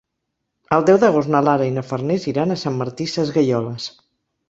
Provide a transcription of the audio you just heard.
El deu d'agost na Lara i na Farners iran a Sant Martí Sesgueioles.